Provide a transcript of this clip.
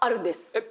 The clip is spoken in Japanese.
えっ？